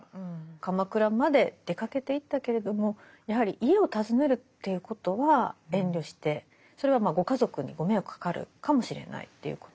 鎌倉まで出かけていったけれどもやはり家を訪ねるということは遠慮してそれはご家族にご迷惑かかるかもしれないということ。